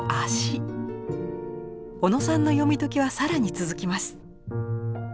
小野さんの読み解きは更に続きます。